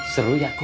seru ya kum